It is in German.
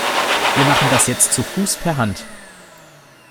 Wir machen das jetzt zu Fuß per Hand.